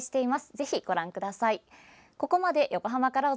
ぜひ、ご覧ください。